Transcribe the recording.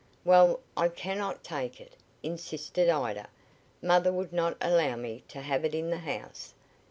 "Well, I cannot take it," insisted Ida. "Mother would not allow me to have it in the house.